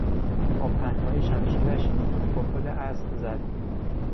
با پهنای شمشیرش به کپل اسب زد.